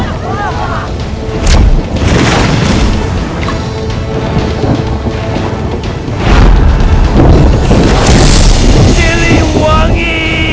laka bagaimana ini